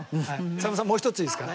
さんまさんもう一ついいですか？